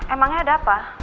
emangnya ada apa